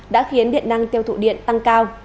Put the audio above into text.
đã khiến điện năng tiêu thụ điện tăng cao